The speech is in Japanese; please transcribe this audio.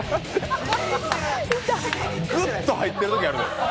ぐっと入ってるときあるのよ